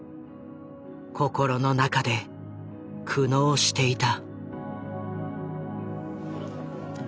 心の中で苦悩していた。